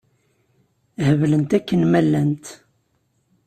Heblent akken ma llant.